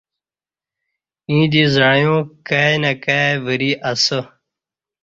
ییں دی زعیاں کائی نئی کائی وری اسہ